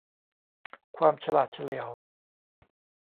ความฉลาดเฉลียว